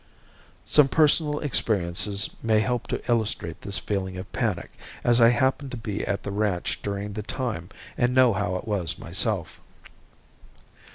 Some personal experiences may help to illustrate this feeling of panic, as I happened to be at the ranch during the time and know how it was myself.